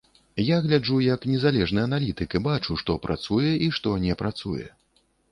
Я гляджу як незалежны аналітык і бачу, што працуе і што не працуе.